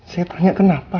saya tanya kenapa